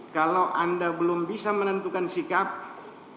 kalau anda belum bisa menentukan sikap hari ini